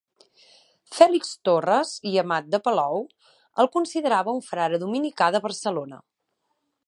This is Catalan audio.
Fèlix Torres i Amat de Palou el considerava un frare dominicà de Barcelona.